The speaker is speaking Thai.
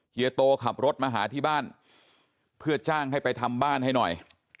เฮียโตขับรถมาหาที่บ้านเพื่อจ้างให้ไปทำบ้านให้หน่อย